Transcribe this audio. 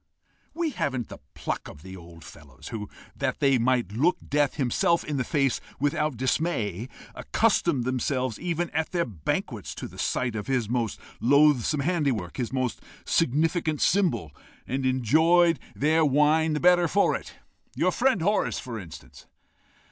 We haven't the pluck of the old fellows, who, that they might look death himself in the face without dismay, accustomed themselves, even at their banquets, to the sight of his most loathsome handiwork, his most significant symbol and enjoyed their wine the better for it! your friend Horace, for instance."